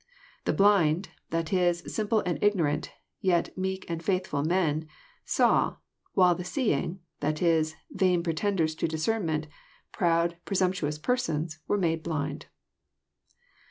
—" The blind (that is, simple and ignorant, jfituaxeek and faithful men) saw ; while the seeing (that is, vain preteQders to discernment, proud, presumptuous persons) were made blind."